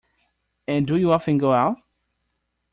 And do you often go out?